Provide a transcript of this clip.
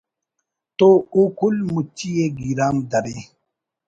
تو او کل مچی ءِ گیرام درے